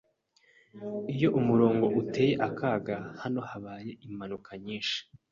Iyo ni umurongo uteye akaga. Hano habaye impanuka nyinshi.